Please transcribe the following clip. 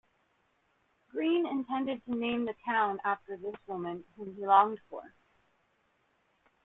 Green intended to name the town after this woman whom he longed for.